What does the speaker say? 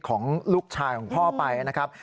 ของลูกชายของพ่อไปนะครับ